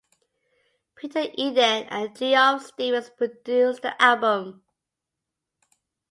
Peter Eden and Geoff Stephens produced the album.